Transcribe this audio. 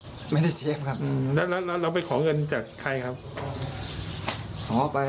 พอตำรวจขอตรวจปัสสาวะรีบปฏิเสธเสียงออยทันทีบอกคุณตำรวจผมทำไม